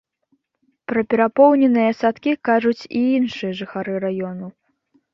Пра перапоўненыя садкі кажуць і іншыя жыхары раёну.